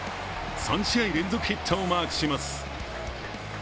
３試合連続ヒットをマークします。